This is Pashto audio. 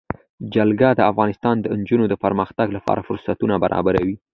جلګه د افغان نجونو د پرمختګ لپاره فرصتونه برابروي.